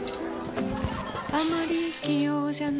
あまり器用じゃないほうです。